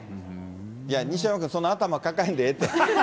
いや、西山君、その頭抱えんでええって。